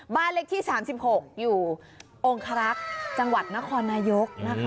บ้านเลขที่๓๖อยู่องคารักษ์จังหวัดนครนายกนะคะ